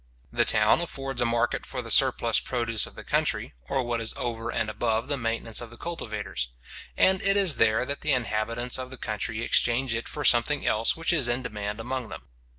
The town affords a market for the surplus produce of the country, or what is over and above the maintenance of the cultivators; and it is there that the inhabitants of the country exchange it for something else which is in demand among them.